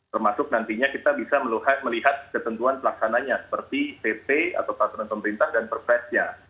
termasuk nantinya kita bisa melihat ketentuan pelaksananya seperti pp atau peraturan pemerintah dan perpresnya